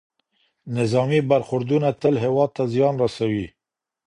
نظامي برخوردونه تل هېواد ته زیان رسوي.